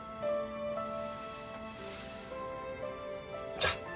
じゃあ。